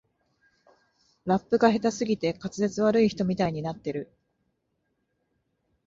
ラップが下手すぎて滑舌悪い人みたいになってる